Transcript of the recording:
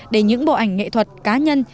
để những bộ ảnh nghệ thuật cá nhân